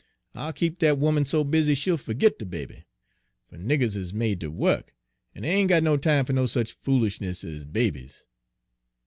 I'll keep dat 'oman so busy she'll fergit de baby; fer niggers is made ter wuk, en dey ain' got no time fer no sich foolis'ness ez babies.'